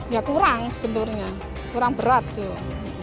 ya kurang sebetulnya kurang berat tuh